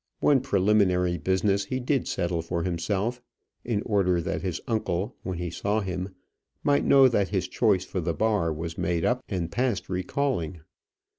One preliminary business he did settle for himself, in order that his uncle, when he saw him, might know that his choice for the bar was made up and past recalling.